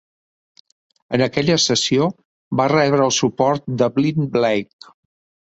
En aquella sessió va rebre el suport de Blind Blake.